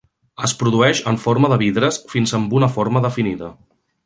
Es produeix en forma de vidres fins amb una forma definida.